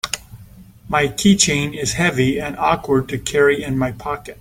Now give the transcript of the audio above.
My keychain is heavy and awkward to carry in my pocket.